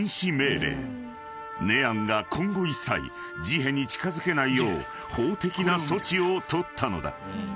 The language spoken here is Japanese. ［ネアンが今後一切ジヘに近づけないよう法的な措置を取ったのだ］